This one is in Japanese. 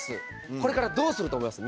これからどうすると思います？